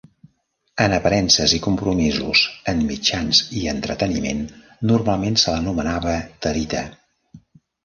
En aparences i compromisos en mitjans i entreteniment, normalment se l'anomenava Tarita.